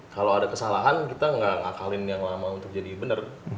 kalau ada kesalahan kita nggak ngakalin yang lama untuk jadi benar